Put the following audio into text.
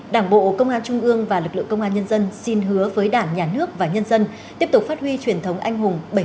đảng bộ công an trung ương và lực lượng công an nhân dân xin hứa với đảng nhà nước và nhân dân tiếp tục phát huy truyền thống anh hùng